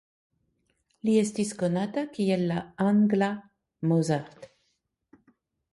Li estis konata kiel la «angla Mozart».